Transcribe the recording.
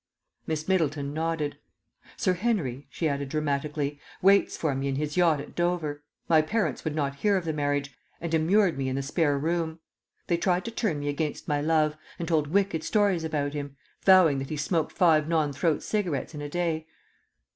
Miss Middleton nodded. "Sir Henery," she added dramatically, "waits for me in his yacht at Dover. My parents would not hear of the marriage, and immured me in the spare room. They tried to turn me against my love, and told wicked stories about him, vowing that he smoked five non throat cigarettes in a day.